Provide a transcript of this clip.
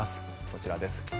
こちらです。